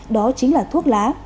đó chính là thuốc lá